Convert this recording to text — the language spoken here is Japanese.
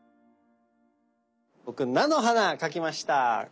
僕菜の花描きました。